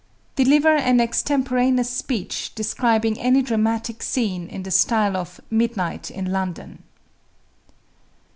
Deliver an extemporaneous speech describing any dramatic scene in the style of "Midnight in London."